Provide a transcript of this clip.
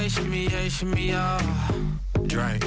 สวะลาลาลา